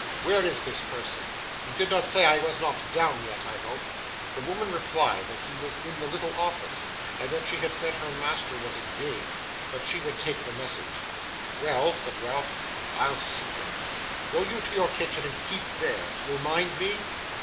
Where is this person? You did not say I was not down yet, I hope?' The woman replied that he was in the little office, and that she had said her master was engaged, but she would take the message. 'Well,' said Ralph, 'I'll see him. Go you to your kitchen, and keep there. Do you mind me?